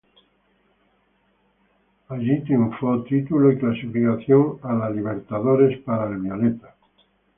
Allí fue triunfo, título y clasificación a la Libertadores para el "violeta".